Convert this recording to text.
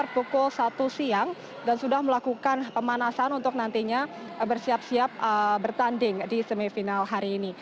pukul satu siang dan sudah melakukan pemanasan untuk nantinya bersiap siap bertanding di semifinal hari ini